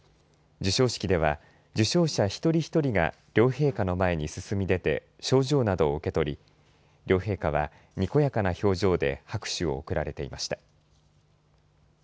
授賞式では受賞者一人一人が両陛下の前に進み出て、賞状などを受け取り両陛下は、にこやかな表情で拍手を送られていました。